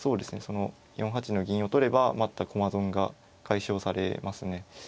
その４八の銀を取ればまた駒損が解消されますね。